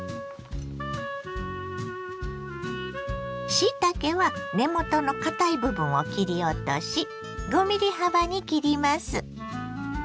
しいたけは根元の堅い部分を切り落とし５ｍｍ幅に切ります。